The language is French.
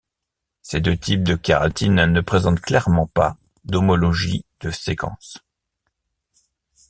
Ces deux types de kératines ne présentent clairement pas d'homologie de séquence.